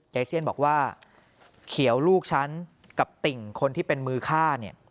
เซียนบอกว่าเขียวลูกฉันกับติ่งคนที่เป็นมือฆ่าเนี่ย